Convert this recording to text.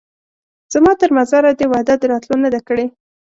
زما تر مزاره دي وعده د راتلو نه ده کړې